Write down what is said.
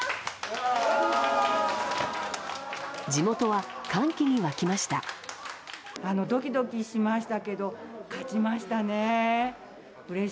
地元は歓喜に沸きました。